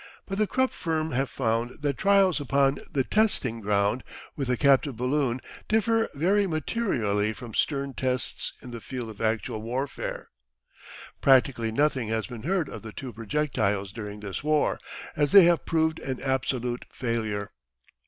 But the Krupp firm have found that trials upon the testing ground with a captive balloon differ very materially from stern tests in the field of actual warfare. Practically nothing has been heard of the two projectiles during this war, as they have proved an absolute failure.